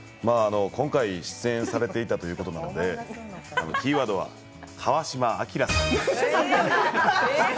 今回出演されていたということなのでキーワードは、＃川島明さん。